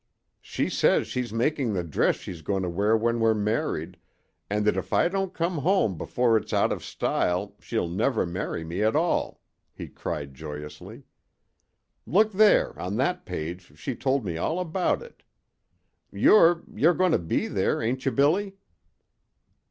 "She says she's making the dress she's going to wear when we're married, and that if I don't come home before it's out of style she'll never marry me at all," he cried, joyously. "Look there, on that page she's told me all about it. You're you're goin' to be there, ain't you, Billy?"